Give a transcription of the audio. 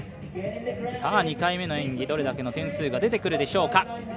２回目の演技、どれだけの点数が出てきたんでしょうか。